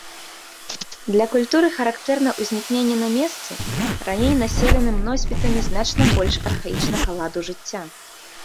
Для культуры характэрна ўзнікненне на месцы, раней населеным носьбітамі значна больш архаічнага ладу жыцця.